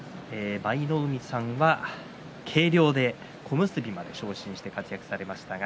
舞の海さんは軽量で小結まで昇進して活躍をされました。